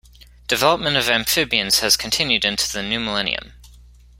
Development of amphibians has continued into the new millennium.